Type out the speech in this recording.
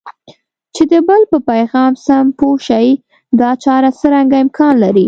چې د بل په پیغام سم پوه شئ دا چاره څرنګه امکان لري؟